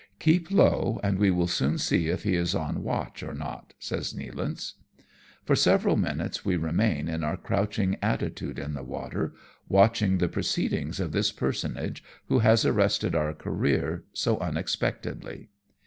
" Keep low, and we will soon see if he is on watch or not," says Nealance. For several minutes we remain in our crouching ISO AMONG TYPHOONS AND PIRATE CRAFT. attitude in the water, watching the proceedings of this personage who has arrested our career so unex pectedly.